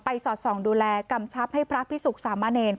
ไปสอดศรองดูแลกำชับให้พระพิษกษามนเนยน